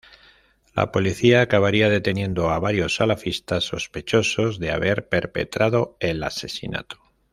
La policía acabaría deteniendo a varios salafistas sospechosos de haber perpetrado el asesinato.